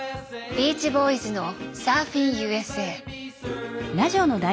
ビーチ・ボーイズの「サーフィン・Ｕ．Ｓ．Ａ．」。